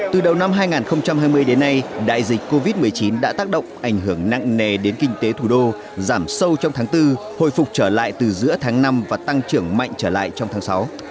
từ đầu năm hai nghìn hai mươi đến nay đại dịch covid một mươi chín đã tác động ảnh hưởng nặng nề đến kinh tế thủ đô giảm sâu trong tháng bốn hồi phục trở lại từ giữa tháng năm và tăng trưởng mạnh trở lại trong tháng sáu